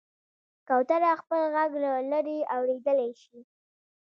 کوتره خپل غږ له لرې اورېدلی شي.